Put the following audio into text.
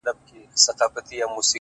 زما خوښيږي پر ماگران دى د سين تـورى ـ